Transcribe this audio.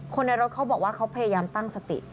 ในรถเขาบอกว่าเขาพยายามตั้งสติ